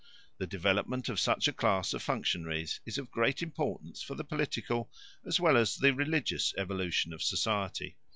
The development of such a class of functionaries is of great importance for the political as well as the religious evolution of society.